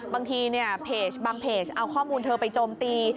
บางทีบางเพจเอาข้อมูลเธอไปจมตี